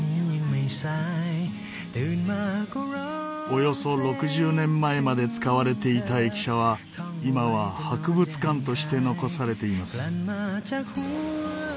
およそ６０年前まで使われていた駅舎は今は博物館として残されています。